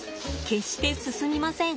決して進みません。